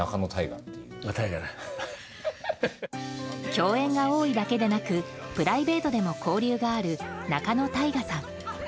共演が多いだけでなくプライベートでも交流がある仲野太賀さん。